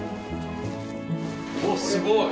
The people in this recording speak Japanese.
おっすごい！